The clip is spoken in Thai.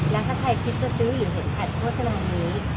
แล้วถ้าใครคิดจะซื้อหรือเห็นผ่านโฆษณานี้